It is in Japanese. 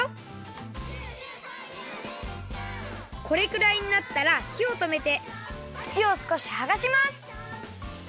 これくらいになったらひをとめてふちをすこしはがします！